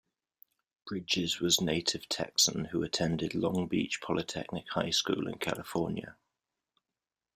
Bridges was native Texan who attended Long Beach Polytechnic High School in California.